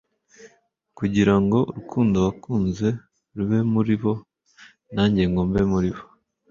«Kugira ngo urukundo wankunze rube muri bo nanjye ngo mbe muri bo ».